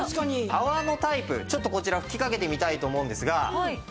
泡のタイプちょっとこちら吹きかけてみたいと思うんですが。